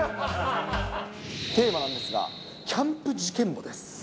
テーマなんですが、キャンプ事件簿です。